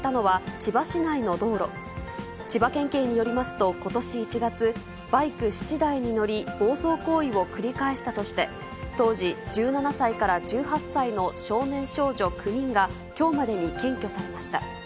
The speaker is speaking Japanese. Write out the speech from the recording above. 千葉県警によりますと、ことし１月、バイク７台に乗り、暴走行為を繰り返したとして、当時１７歳から１８歳の少年少女９人が、きょうまでに検挙されました。